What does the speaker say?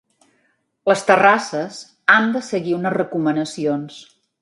Les terrasses han de seguir unes recomanacions.